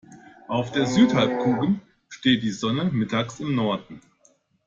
Auf der Südhalbkugel steht die Sonne mittags im Norden.